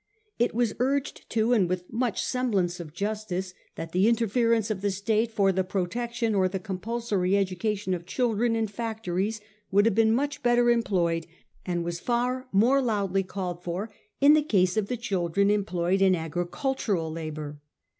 It was urged too, and with much semblance of justice, that the interference of the State for the protection or the compulsory education of children in factories would have been much better employed, and was far more loudly called for, in the case of the children employed in agricul tural labour.